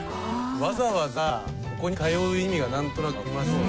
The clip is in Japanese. わざわざここに通う意味がなんとなくわかりますよね。